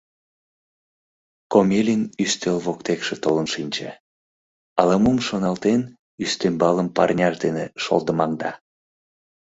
Комелин ӱстел воктекше толын шинче, ала-мом шоналтен, ӱстембалым парняж дене шолдымаҥда.